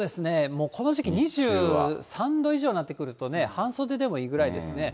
もうこの時期２３度以上になってくるとね、半袖でもいいぐらいですね。